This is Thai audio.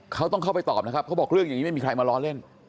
เขาต้องเข้าไปตอบนะครับเขาบอกเรื่องอย่างนี้ไม่มีใครมาล้อเล่น